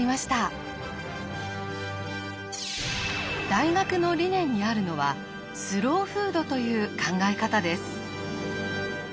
大学の理念にあるのは「スローフード」という考え方です。